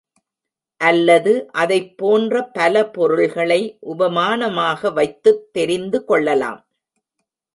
அல்லது அதைப்போன்ற பல பொருள்களை உபமானமாக வைத்துத் தெரிந்து கொள்ளலாம்.